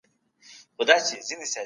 هره پوښتنه ځانګړی هدف لري.